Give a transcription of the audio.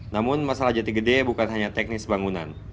namun masalah jati gede bukan hanya teknis bangunan